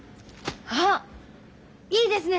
あっいいですねそれ。